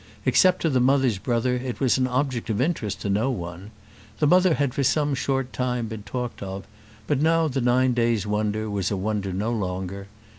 Except to the mother's brother it was an object of interest to no one. The mother had for some short time been talked of; but now the nine days' wonder was a wonder no longer.